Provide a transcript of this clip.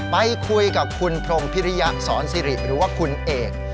ไปคุยกับคุณพรมพิริยะสอนสิริหรือว่าคุณเอก